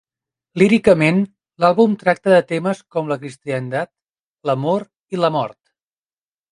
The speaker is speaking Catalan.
Líricament, l"àlbum tracta de temes com la cristiandat, l"amor i la mort.